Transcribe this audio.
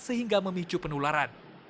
sehingga memicu penularan